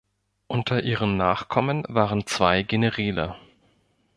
Unter ihren Nachkommen waren zwei Generäle.